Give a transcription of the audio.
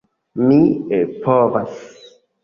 Mi povas.